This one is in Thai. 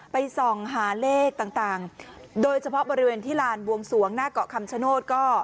ส่องหาเลขต่างโดยเฉพาะบริเวณที่ลานบวงสวงหน้าเกาะคำชโนธก็